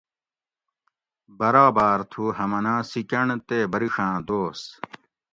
براباۤر تھو ہمناۤں سیکۤنڈ تے بریڛاۤں دوس